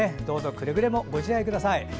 どうぞ、くれぐれもご自愛ください。